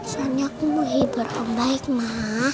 soalnya aku mau hibur om baik ma